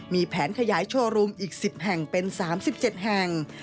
มีแผนขยายโชว์รูมอีก๑๐แห่งเป็น๓๗แห่ง